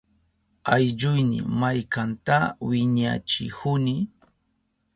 Allkuyni maykanta wiñachihuni.